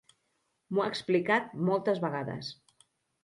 M'ho ha explicat moltes vegades.